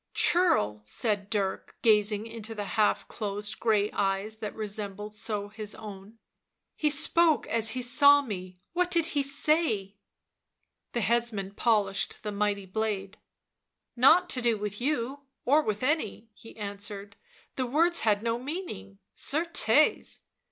Churl," said Dirk, gazing into the half closed grey eyes that resembled so his own. " He spoke — as he saw me; what did he say?" The headsman polished the mighty blade. " Nought to do with you, or with any," he answered, " the words had no meaning, certes."